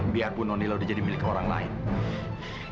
biarpun noni lo udah jadi milik orang lain